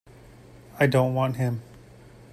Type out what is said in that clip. I don't want him.